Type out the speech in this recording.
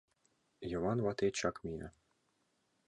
Йыван вате чак мия.